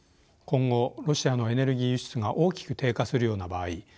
今後ロシアのエネルギー輸出が大きく低下するような場合